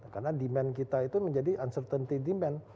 karena demand kita itu menjadi uncertainty demand